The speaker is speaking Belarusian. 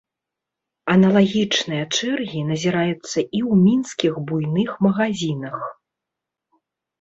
Аналагічныя чэргі назіраюцца і ў мінскіх буйных магазінах.